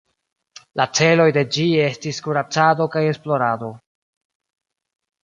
La celoj de ĝi estis kuracado kaj esplorado.